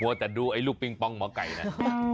พวกแต่ดูไอ้ลูกปิงปองหมอไก่น่ะโอ้โห